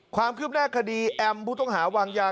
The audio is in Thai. ความคิบแน่คดีแอมพุทธงหาวางยา